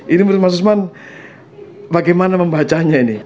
ini menurut mas usman bagaimana membacanya ini